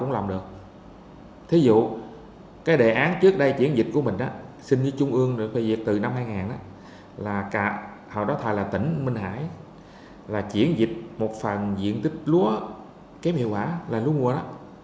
là chuyển dịch một phần diện tích lúa kém hiệu quả là lúa mua đó